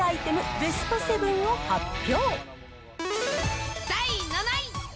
ベスト７を発表。